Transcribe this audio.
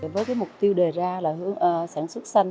với mục tiêu đề ra là sản xuất sân